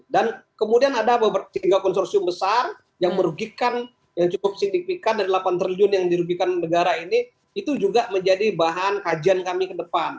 dan kemudian ada tiga konsorsium besar yang merugikan yang cukup signifikan dari delapan triliun yang dirugikan negara ini itu juga menjadi bahan kajian kami ke depan